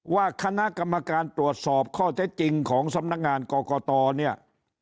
ว่าคณะกรรมการตรวจสอบข้อเท็จจริงของสำนักงานกรกตเนี่ย